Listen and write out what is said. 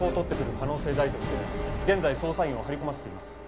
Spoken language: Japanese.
大とみて現在捜査員を張り込ませています。